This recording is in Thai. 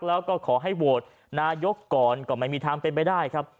แล้วก็ขอให้โหวตนายกก่อนก็ไม่มีทางเป็นไปได้ครับ